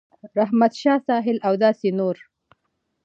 رحمت شاه ساحل او داسې نور